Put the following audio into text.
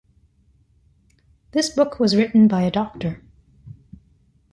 This book was written by a doctor.